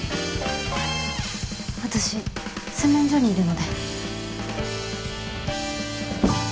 私洗面所にいるので。